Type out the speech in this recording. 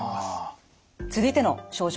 続いての症状